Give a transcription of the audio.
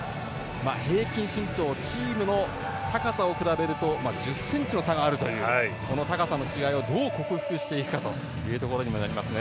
平均身長チームの高さを比べると１０ｃｍの差があるというこの高さの違いをどう克服していくかというところになりますね。